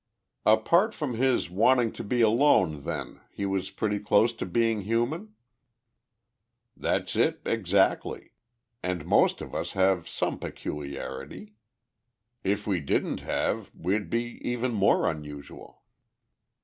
"Apart from his wanting to be alone, then, he was pretty close to being human?" "That's it, exactly and most of us have some peculiarity. If we didn't have we'd be even more unusual."